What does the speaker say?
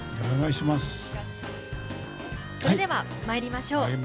それでは参りましょう。